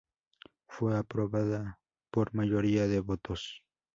Fue aprobada por mayoría de votos.